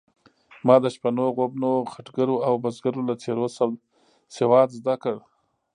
ما د شپنو، غوبنو، خټګرو او بزګرو له څېرو سواد زده کړ.